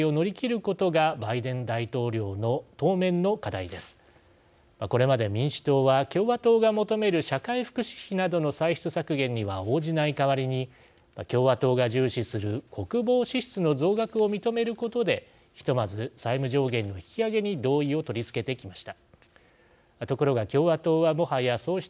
これまで民主党側は共和党が求める社会福祉費などの歳出削減には応じない代わりに共和党が重視する国防支出の増額を認めることでひとまず債務上限の引き上げに同意を取りつけてきました。